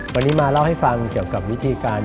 วันนี้มาเล่าให้ฟังเกี่ยวกับวิธีการ